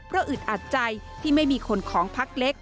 เพราะอึดอัดใจที่ไม่มีคนของพักเล็ก